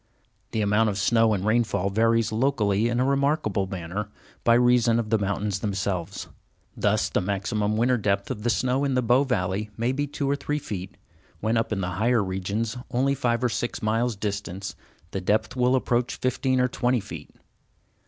The amount of snow and rainfall varies locally in a remarkable manner, by reason of the mountains themselves. Thus the maximum winter depth of the snow in the Bow valley may be two or three feet, when up in the higher regions, only five or six miles distant, the depth will approach fifteen or twenty feet.